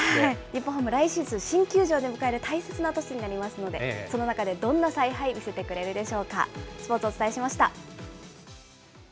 日本ハム、来シーズン新球場で迎える大切な年になりますので、その中でどんな采配、見せてくれるでしょうか。